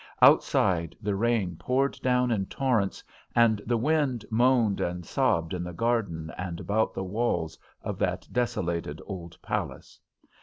Outside, the rain poured down in torrents, and the wind moaned and sobbed in the garden and about the walls of that desolated old palace.